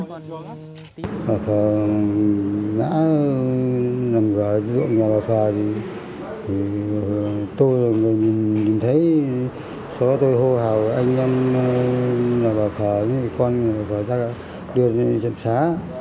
bà phờ đã nằm ngã ruộng nhà bà phờ thì tôi là người mình thấy sau đó tôi hô hào anh em bà phờ như con bà phờ ra đường chăm xá